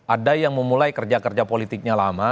ada yang memulai kerja kerja politiknya lama